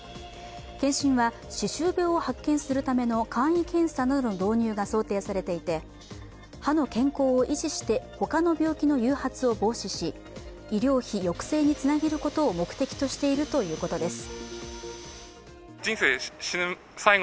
検診は歯周病を発見するための簡易検査などの導入が想定されていて歯の健康を維持して他の病気の誘発を防止し医療費抑制につなげることを目的としているということです。